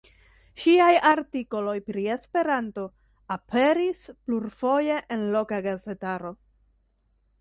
Ŝiaj artikoloj pri Esperanto aperis plurfoje en loka gazetaro.